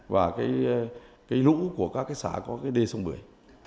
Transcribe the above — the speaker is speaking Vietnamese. và cái lũ của các cái xã có cái đê sông bưởi